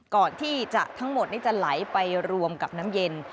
ก่อนที่จะทั้งหมดนี้จะไหลไปรวมกับน้ำเย็น